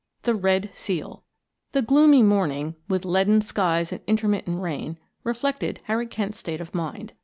THE RED SEAL The gloomy morning, with leaden skies and intermittent rain, reflected Harry Kent's state of mind.